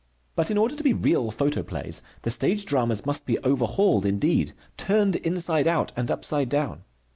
But in order to be real photoplays the stage dramas must be overhauled indeed, turned inside out and upside down.